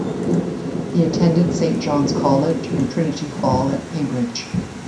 He attended Saint John's College and Trinity Hall at Cambridge.